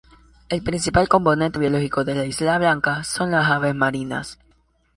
El principal componente biológico de la isla Blanca son las aves marinas.